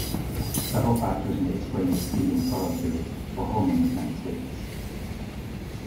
Several factors may explain the seed and soil theory or homing of metastasis.